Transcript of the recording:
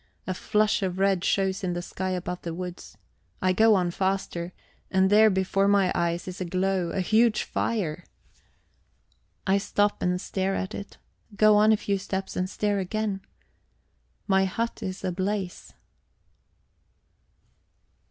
A flush of red shows in the sky above the woods. I go on faster; and there before my eyes is a glow, a huge fire. I stop and stare at it, go on a few steps and stare again. My hut is ablaze.